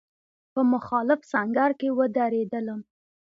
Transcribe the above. په مخالف سنګر کې ودرېدلم.